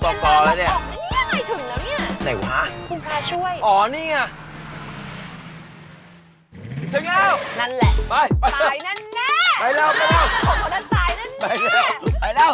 ผมก็จะตายนั่นแน่ไปแล้ว